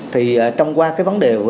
thì trong qua cái vấn đề